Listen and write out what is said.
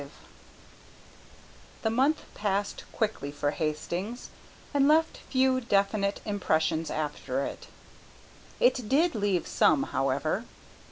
V The month passed quickly for Hastings, and left few definite impressions after it. It did leave some, however.